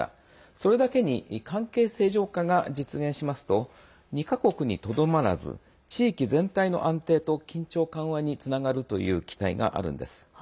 それだけに関係正常化が実現しますと２か国にとどまらず地域全体の安定と緊張緩和につながるという期待があるんです。